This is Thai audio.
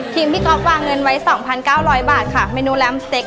ทีมพี่ก๊อฟวางเงินไว้๒๙๐๐บาทเมนูล้ำเต็ก